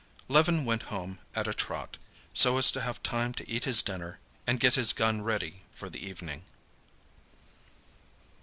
Levin went home at a trot, so as to have time to eat his dinner and get his gun ready for the evening.